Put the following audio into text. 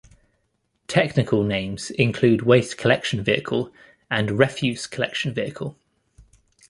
Technical names include waste collection vehicle and refuse collection vehicle.